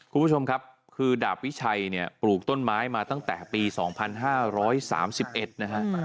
คุณผู้ชมครับคือดาบวิชัยเนี่ยปลูกต้นไม้มาตั้งแต่ปี๒๕๓๑นะฮะ